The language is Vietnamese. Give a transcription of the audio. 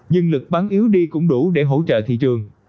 nhưng lực bán yếu đi cũng đủ để hỗ trợ thị trường